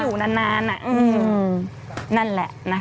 กรมป้องกันแล้วก็บรรเทาสาธารณภัยนะคะ